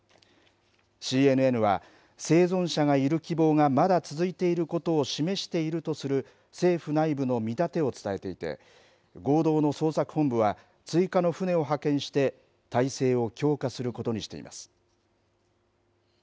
ＣＮＮは生存者がいる希望がまだ続いていることを示しているとする、政府内部の見立てを伝えていて、合同の捜索本部は、追加の船を派遣して、態勢を強化することにしています。